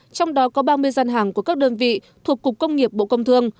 trong đó có ba mươi gian hàng của các đơn vị thuộc cục công nghiệp bộ công thương